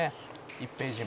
１ページ目」